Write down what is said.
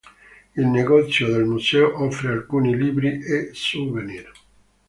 Il negozio del museo offre alcuni libri e souvenir.